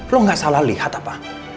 lo gak salah lihat apa